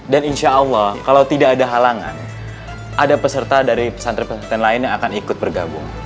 dan insyaallah kalau tidak ada halangan ada peserta dari pesantren pesantren lain yang akan ikut bergabung